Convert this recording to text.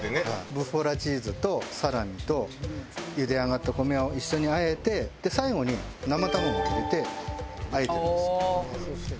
ブッフォラチーズとサラミと茹で上がった米を一緒にあえて最後に生卵を入れてあえてるんです。